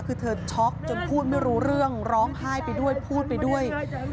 คือเธอช็อกจนพูดไม่รู้เรื่องร้องไห้ไปด้วยพูดไปด้วย